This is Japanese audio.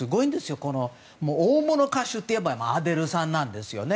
大物歌手といえばアデルさんなんですね。